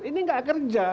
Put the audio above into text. ini tidak kerja